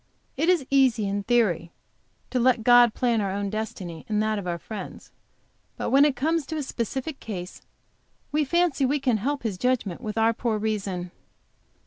It is easy, in theory, to let God plan our own destiny, and that of our friends. But when it comes to a specific case we fancy we can help His judgments with our poor reason.